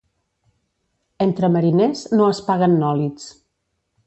Entre mariners no es paguen nòlits.